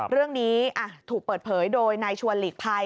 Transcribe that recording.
เรื่องนี้ถูกเปิดเผยโดยนายชวนหลีกภัย